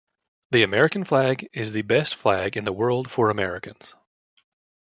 The American flag is the best flag in the world for Americans.